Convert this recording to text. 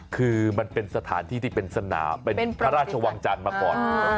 คือมันเป็นสถานที่ที่เป็นสนามเป็นพระราชวังจันทร์มาก่อน